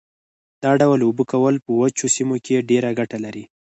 دا ډول اوبه کول په وچو سیمو کې ډېره ګټه لري.